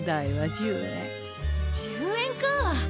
１０円かあ！